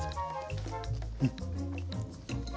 うん。